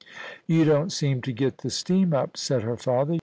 * You don't seem to get the steam up,' said her father.